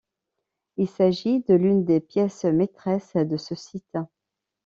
Il s'agit de l'une des pièces maîtresses de ce site.